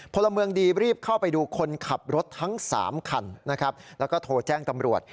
พลเมืองดีรีบเข้าไปดูคนขับรถทั้ง๓คันนะครับแล้วก็โทรแจ้งตำรวจ